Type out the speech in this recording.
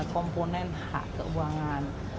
komponen hak keuangan